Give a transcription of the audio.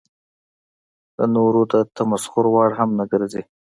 د نورو د تمسخر وړ هم نه ګرځي.